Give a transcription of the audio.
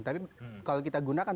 tapi kalau kita gunakan